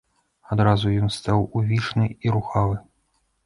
Адразу ён стаў увішны і рухавы.